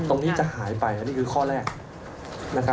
ตรงนี้จะหายไปอันนี้คือข้อแรก